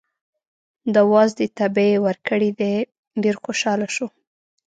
د وازدې تبی یې ورکړی دی، ډېر خوشحاله شو.